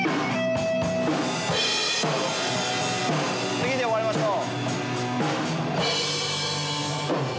次で終わりましょう。